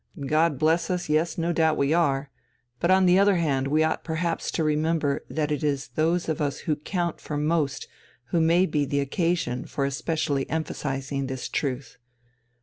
"God bless us, yes, no doubt we are. But on the other hand we ought perhaps to remember that it is those of us who count for most who may be the occasion for especially emphasizing this truth....